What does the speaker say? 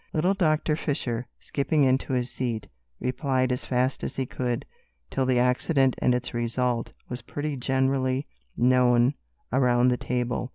Little Doctor Fisher, skipping into his seat, replied as fast as he could, till the accident and its result was pretty generally known around the table.